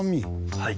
はい。